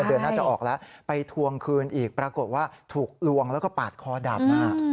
เดือนหน้าจะออกแล้วไปทวงคืนอีกปรากฏว่าถูกลวงแล้วก็ปาดคอดับ